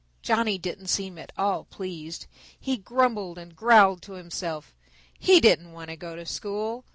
Johnny didn't seem at all pleased. He grumbled and growled to himself. He didn't want to go to school.